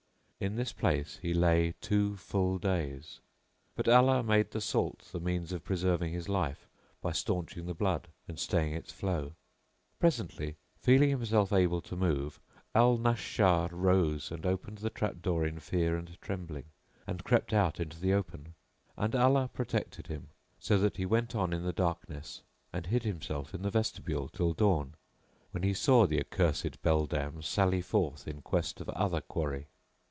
In this place he lay two full days, but Allah made the salt the means of preserving his life by staunching the blood and staying its flow Presently, feeling himself able to move, Al Nashshar rose and opened the trap door in fear and trembling and crept out into the open; and Allah protected him, so that he went on in the darkness and hid himself in the vestibule till dawn, when he saw the accursed beldam sally forth in quest of other quarry.